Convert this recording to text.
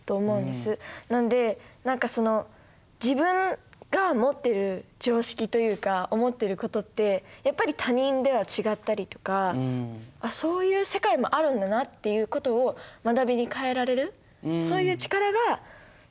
なんで何か自分が持っている常識というか思っていることってやっぱり他人では違ったりとかそういう世界もあるんだなっていうことを学びに変えられる。